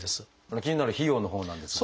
気になる費用のほうなんですが。